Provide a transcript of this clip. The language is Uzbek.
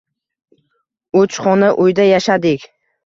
Uch xona uyda yashadik